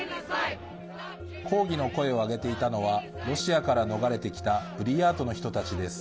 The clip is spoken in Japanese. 抗議の声を上げていたのはロシアから逃れてきたブリヤートの人たちです。